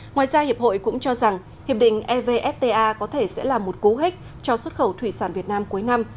ngoài ra hiệp hội cũng cho rằng hiệp định evfta có thể sẽ là một cú hích cho xuất khẩu thủy sản việt nam cuối năm